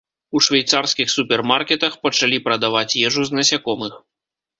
У швейцарскіх супермаркетах пачалі прадаваць ежу з насякомых.